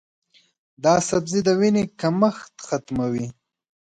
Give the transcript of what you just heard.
دا سبزی د وینې کمښت ختموي.